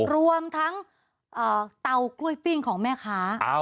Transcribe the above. รวมทั้งเตากล้วยปิ้งของแม่ค้า